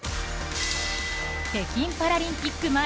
北京パラリンピック